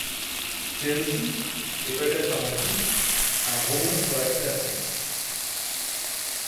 C’est aussi, et peut-être avant tout, un roman sur la création.